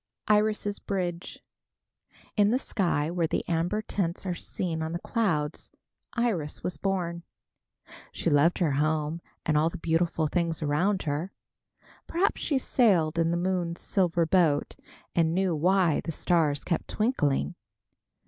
IRIS' BRIDGE. In the sky where the amber tints are seen on the clouds, Iris was born. She loved her home and all the beautiful things around her. Perhaps she sailed in the moon's silver boat and knew why the stars kept twinkling.